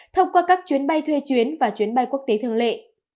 thông qua các chuyến bay thuê chuyến và chuyến bay quốc tế thường lệ